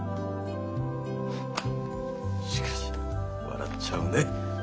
しかし笑っちゃうね。